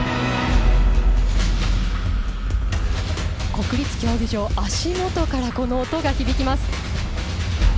国立競技場、足元からこの音が響きます。